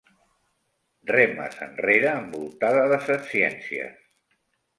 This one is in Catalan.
Remes enrere envoltada de setciències.